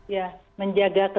ya menjaga kesehatan